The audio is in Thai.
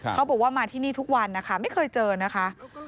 เขาบอกว่ามาที่นี่ทุกวันนะคะไม่เคยเจอนะคะ